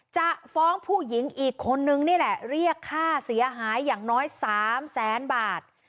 จะฟ้องผู้หญิงอีกคนนึงนี่แหละเรียกค่าเสียหายอย่างน้อย๓แสนบาท